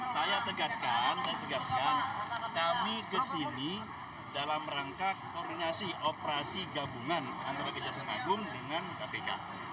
saya tegaskan kami kesini dalam rangka koordinasi operasi gabungan antarabangsa semagung dengan kpk